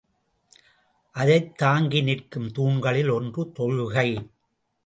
அதைத் தாங்கி நிற்கும் தூண்களில் ஒன்று தொழுகை.